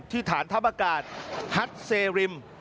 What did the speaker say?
ที่ฐานทัพประกาศฮัตเซริม